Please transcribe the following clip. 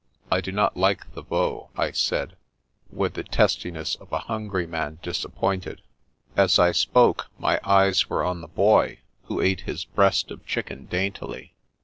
I do not like the veau/* I said, with the testiness of a hungry man disappointed. As I spoke, my eyes were on the boy, who ate his breast of chicken daintily.